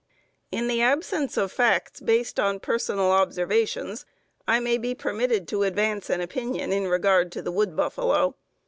In the absence of facts based on personal observations, I may be permitted to advance an opinion in regard to the wood buffalo.